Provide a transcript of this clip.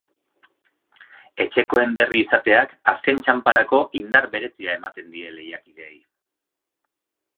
Etxekoen berri izateak azken txanparako indar berezia ematen die lehiakideei.